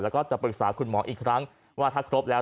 แล้วก็จะปรึกษาคุณหมออีกครั้งว่าถ้าครบแล้ว